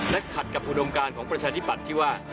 และขัดกับอุดมการของประชาธิปัตย์ที่ว่า